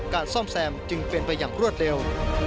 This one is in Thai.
ซ่อมแซมจึงเป็นไปอย่างรวดเร็ว